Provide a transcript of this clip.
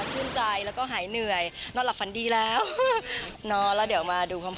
ดีใจนอนหลับฝันดีแฮปปี้มาก